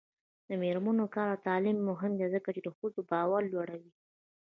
د میرمنو کار او تعلیم مهم دی ځکه چې ښځو باور لوړوي.